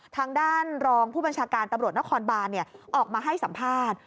ทางด้านรองผู้บัญชาการตำรวจนครบานออกมาให้สัมภาษณ์